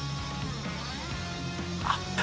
あった！